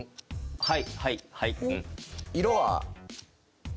はい。